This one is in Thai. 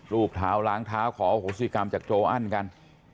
รูปเท้าล้างเท้าขอโหสิกรรมจากโจอันกัน